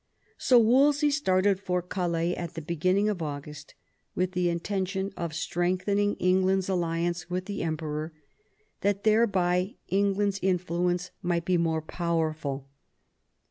So Wolsey started for Calais at the beginning of August with the intention of strengthening England's alliance with the Emperor, that thereby England's in fluence might be more powerful.